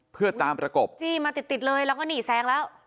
เพื่อตามประกบมาติดเลยแล้วก็หนีแซงแล้ว